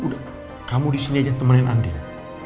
udah kamu disini aja temenin andin